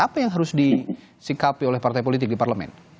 apa yang harus disikapi oleh partai politik di parlemen